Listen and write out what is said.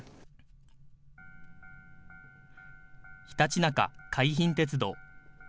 ひたちなか海浜鉄道。